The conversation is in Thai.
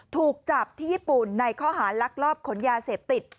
ถูกจับที่ญี่ปุ่นในข้อหารลักลอบขนยาเสพติด